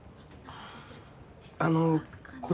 あのこれ